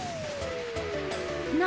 何？